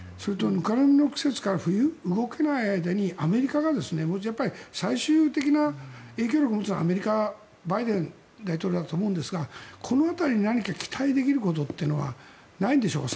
ぬかるみの季節から冬、動けない間にアメリカが最終的な影響力を持つのはアメリカのバイデン大統領だと思いますがこの辺りに何か期待できることというのはないんでしょうか。